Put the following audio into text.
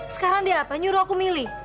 sekarang dia apa nyuruh aku milih